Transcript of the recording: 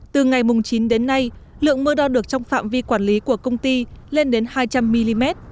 từ ngày chín đến nay lượng mưa đo được trong phạm vi quản lý của công ty lên đến hai trăm linh mm